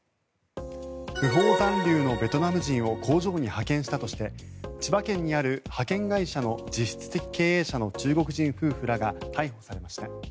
不法残留のベトナム人を工場に派遣したとして千葉県にある派遣会社の実質的経営者の中国人夫婦らが逮捕されました。